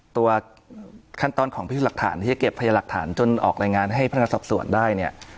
ตัวขั้นตอนของพิสูจน์หลักฐานที่จะเก็บพยาหลักฐานจนออกรายงานให้พนักงานสอบสวนได้เนี่ย